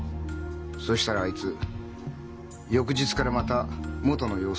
そしたらあいつ翌日からまた元の様子に戻ったよ。